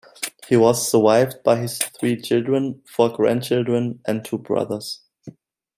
He was survived by his three children, four grandchildren, and two brothers.